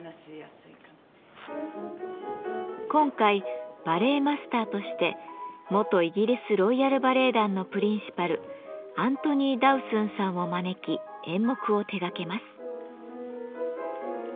今回バレエマスターとして元イギリスロイヤルバレエ団のプリンシパルアントニー・ダウスンさんを招き演目を手がけます。